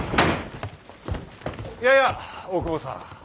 やや大久保さん。